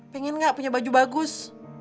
pengen gak punya baju bagus